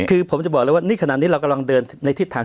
คือผมจะบอกแน่ว่าฉันกำลังเดินทาง